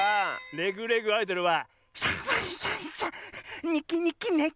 「レグ・レグ・アイドル」は。